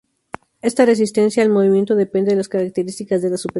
Esta resistencia al movimiento depende de las características de las superficies.